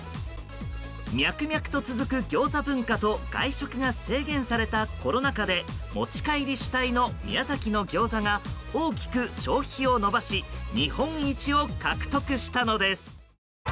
脈々と続くギョーザ文化と外食が制限されたコロナ禍で持ち帰り主体の宮崎のギョーザが大きく消費を伸ばし日本一を獲得したのです。